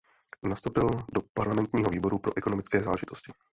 Nastoupil do parlamentního výboru pro ekonomické záležitosti.